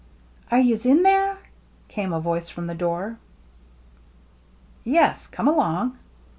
" Are you's in there ?" came a voice from the door. "Yes. Come along."